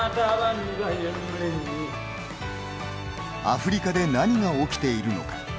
アフリカで何が起きているのか。